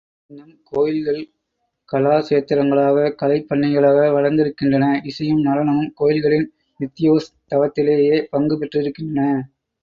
இன்னும் கோயில்கள் கலாக்ஷேத்திரங்களாக, கலைப் பண்ணைகளாக வளர்ந்திருக்கின்றன, இசையும் நடனமும், கோயில்களின் நித்யோஸ் தவத்திலேயே பங்கு பெற்றிருக்கின்றன.